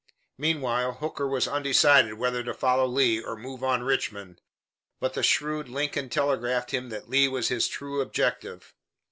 Meanwhile Hooker was undecided whether to follow Lee or move on Richmond. But the shrewd Lincoln telegraphed him that Lee was his "true objective."